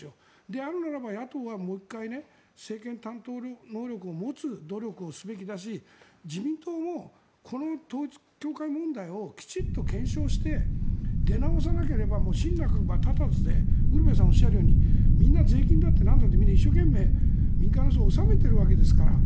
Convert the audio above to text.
であるならば野党はもう１回政権担当能力を持つ努力をするべきだし自民党もこの統一教会問題をきちんと検証して出直さなければ信なくば立たずでウルヴェさんがおっしゃるようにみんな税金だって頑張って民間の人は納めているわけですから。